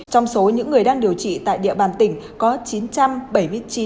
trong số những người đang điều trị tại địa bàn tỉnh